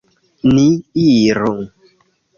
Ni iru!